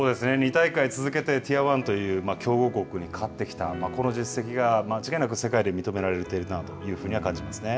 ２大会続けてティアワンという強豪国に勝ってきたこの実績が間違いなく世界で認められているなと感じますね。